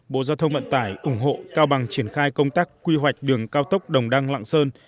bộ giao thông vận tải ủng hộ cao bằng triển khai công tác quy hoạch đường cao tốc đồng đăng lạng sơn